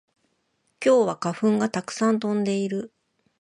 今日は花粉がたくさん飛んでいる